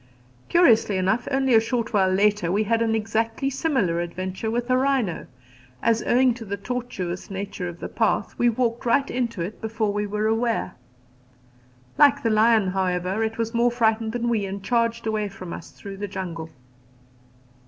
Curiously enough, only a short while later we had an exactly similar adventure with a rhino, as owing to the tortuous nature of the path, we walked right into it before we were aware. Like the lion, however, it was more frightened than we, and charged away from us through the jungle.